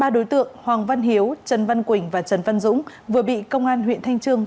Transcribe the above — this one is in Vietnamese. ba đối tượng hoàng văn hiếu trần văn quỳnh và trần văn dũng vừa bị công an huyện thanh trương